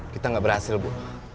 kita gak berhasil bu